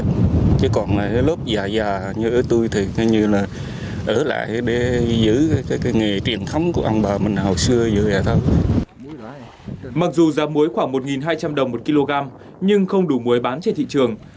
mặc dù giá muối khoảng một hai trăm linh đồng một kg nhưng không đủ muối bán trên thị trường